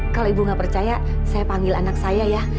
kalau ibu nggak percaya saya panggil anak saya ya